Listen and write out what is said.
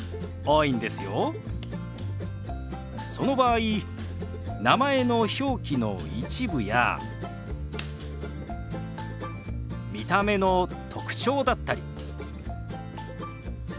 その場合名前の表記の一部や見た目の特徴だったり。